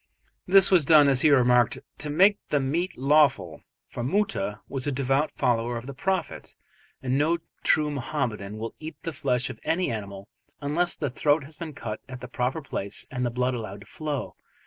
This was done, as he remarked, "to make the meat lawful," for Moota was a devout follower of the Prophet, and no true Mohammedan will eat the flesh of any animal unless the throat has been cut at the proper place and the blood allowed to flow.